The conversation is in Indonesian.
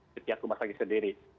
setiap rumah sakit sendiri